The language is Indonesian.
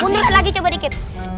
munduran lagi coba dikit